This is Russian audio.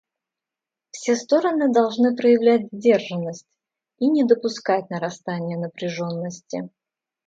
Все стороны должны проявлять сдержанность и не допускать нарастания напряженности.